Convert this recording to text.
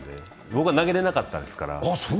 僕は投げれなかったですから。